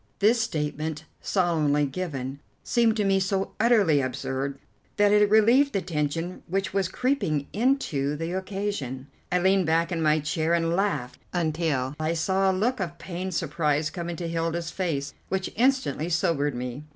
This statement, solemnly given, seemed to me so utterly absurd that it relieved the tension which was creeping into the occasion. I leaned back in my chair and laughed until I saw a look of pained surprise come into Hilda's face, which instantly sobered me.